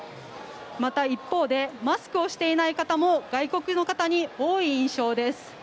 また、一方でマスクをしていない方も外国の方に多い印象です。